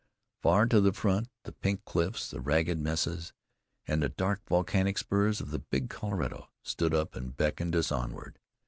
Far to the front the pink cliffs, the ragged mesas, the dark, volcanic spurs of the Big Colorado stood up and beckoned us onward.